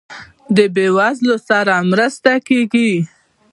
د بیوزلو سره مرسته کیږي؟